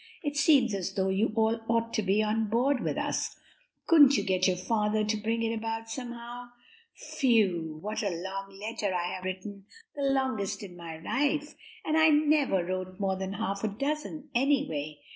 It seems as though you all ought to be on board with us. Couldn't you get your father to bring it about somehow? Whew, what a long letter I have written! the longest in my life, and I never wrote more than half a dozen, anyway.